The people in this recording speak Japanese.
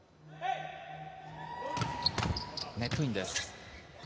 ネットインです。